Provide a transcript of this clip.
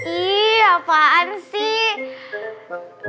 ih apaan sih